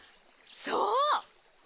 そう！